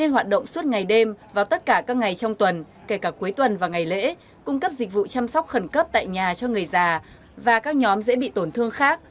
hoạt động suốt ngày đêm vào tất cả các ngày trong tuần kể cả cuối tuần và ngày lễ cung cấp dịch vụ chăm sóc khẩn cấp tại nhà cho người già và các nhóm dễ bị tổn thương khác